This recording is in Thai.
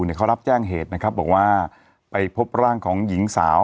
เขารับแจ้งเหตุนะครับบอกว่าไปพบร่างของหญิงสาว